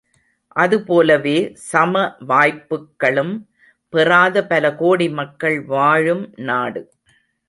அதுபோலவே சம வாய்ப்புக்களும் பெறாத பல கோடி மக்கள் வாழும் நாடு.